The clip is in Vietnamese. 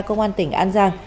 công an tỉnh an giang